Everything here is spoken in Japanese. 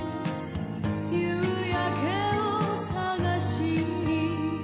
「夕焼けをさがしに」